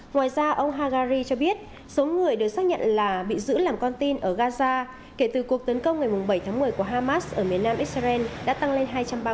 ngoài ra ông hagari cho biết số người được xác nhận là bị giữ làm con tin ở gaza kể từ cuộc tấn công ngày bảy tháng một mươi của hamas ở miền nam israel đã tăng lên hai trăm ba mươi